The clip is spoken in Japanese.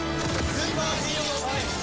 スーパーヒーロータイム！